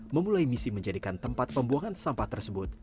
memulai misi menjadikan tempat pembuangan sampah tersebut